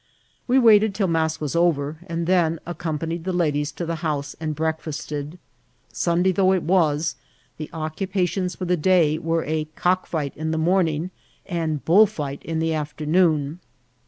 We Waited till mass was over, and then accompanied the ladies to the house and breakfiasted. Sunday though it was, the occupations for the day were a cockfight in the morning and bullfight in the afternoon.